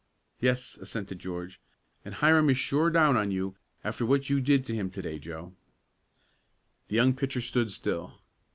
"Yes," assented George. "And Hiram is sure down on you after what you did to him to day, Joe." The young pitcher stood still.